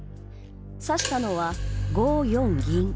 指したのは、５四銀。